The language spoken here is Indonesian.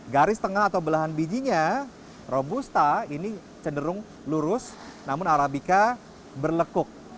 garis tengah atau belahan bijinya robusta ini cenderung lurus namun arabica berlekuk